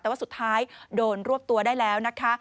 แต่ว่าสุดท้ายโดนรวบตัวได้แล้วนะคะ